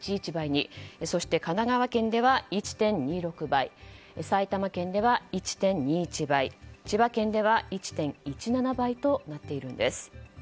そして、神奈川県では１．２６倍埼玉県では１．２１倍千葉県では１．１７倍となっているんです。